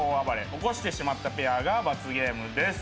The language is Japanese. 起こしてしまったペアが罰ゲームです。